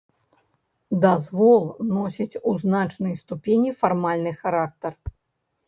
Дазвол носіць у значнай ступені фармальны характар.